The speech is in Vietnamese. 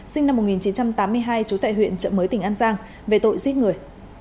sinh năm một nghìn chín trăm tám mươi hai trú tại huyện trợ mới tỉnh an giang về tội giết người